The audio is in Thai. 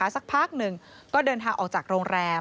สักพักหนึ่งก็เดินทางออกจากโรงแรม